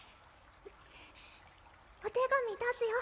お手紙出すよ